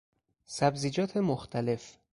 سبزیجات مختلف